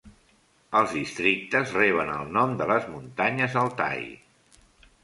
Els districtes reben el nom de les muntanyes Altai.